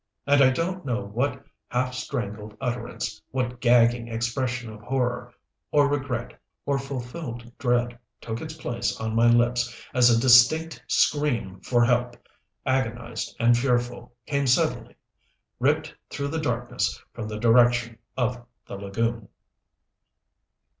And I don't know what half strangled utterance, what gagging expression of horror or regret or fulfilled dread took its place on my lips as a distinct scream for help, agonized and fearful, came suddenly, ripped through the darkness from the direction of the lagoon.